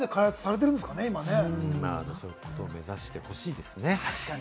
そういうことを目指してほしいですね。